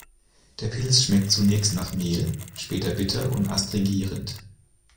Der Pilz schmeckt zunächst nach Mehl, später bitter und adstringierend.